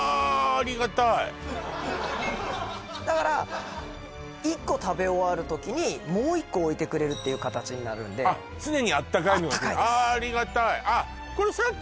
ありがたいだから１個食べ終わる時にもう一個置いてくれるっていう形になるんで常にあったかいのがくるあ